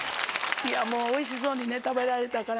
いやもうおいしそうに食べられたから。